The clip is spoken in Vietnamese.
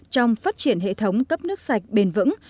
trong phát triển hệ thống cấp nước sạch bền vững